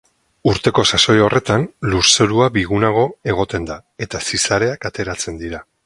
Urteko sasoi horretan, lurzorua bigunago egoten da, eta zizareak ateratzen dira.